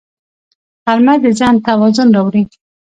غرمه د ذهن توازن راوړي